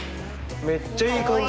めっちゃいい感じ！